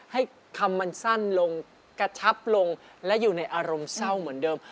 ให้คำมันสั้นลงกระชับลงและอยู่ในอารมณ์เศร้าเหมือนเดิม